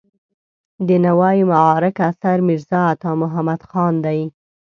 د نوای معارک اثر میرزا عطا محمد خان دی.